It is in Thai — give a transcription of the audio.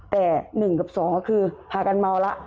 แต่๑กับ๒ก็คือพากันเมาแล้ว